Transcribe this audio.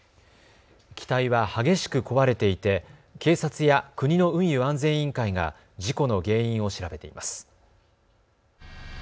機体は激しく壊れていて警察や国の運輸安全委員会が事故の原因を調べています。